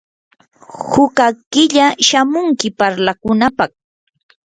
hukaq killa shamunki parlakunapaq.